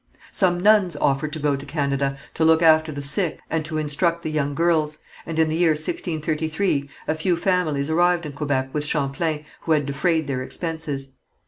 Some nuns offered to go to Canada to look after the sick and to instruct the young girls, and in the year 1633 a few families arrived in Quebec with Champlain, who had defrayed their expenses.